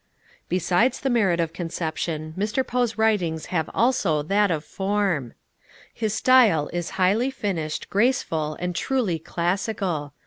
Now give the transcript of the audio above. Besides the merit of conception, Mr. Poe's writings have also that of form. His style is highly finished, graceful and truly classical.